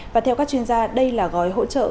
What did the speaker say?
và theo các chuyên gia đây là gói hỗ trợ